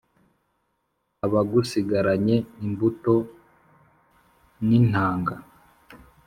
abagusigaranye imbuto n’intanga